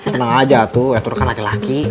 tenang saja waktu itu kan laki laki